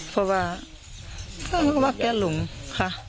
เพราะว่าแกหลงค่ะ